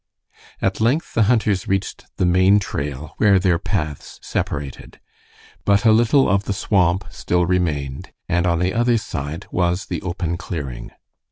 At length the hunters reached the main trail where their paths separated; but a little of the swamp still remained, and on the other side was the open clearing.